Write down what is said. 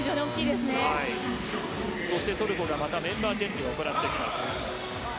またトルコがメンバーチェンジを行ってきました。